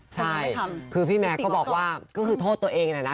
ใช่คือพี่แมร์ก็บอกว่าก็คือโทษตัวเองนะนะ